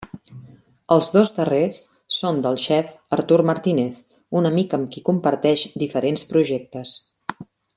Els dos darrers són del xef Artur Martínez, un amic amb qui comparteix diferents projectes.